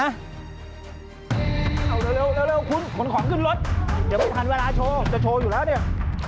เอาเร็วคุณขนของขึ้นรถเดี๋ยวไม่ทันเวลาโชว์จะโชว์อยู่แล้วเนี่ย